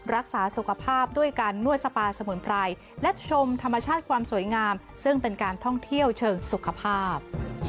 รักษาสุขภาพด้วยการนวดสปาสมุนไพรและชมธรรมชาติความสวยงามซึ่งเป็นการท่องเที่ยวเชิงสุขภาพ